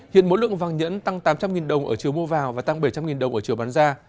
hiện mỗi lượng vàng nhẫn tăng tám trăm linh đồng ở trường mua vào và tăng bảy trăm linh đồng ở trường bán da